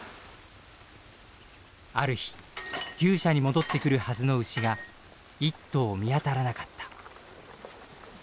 ある日牛舎に戻ってくるはずの牛が一頭見当たらなかった。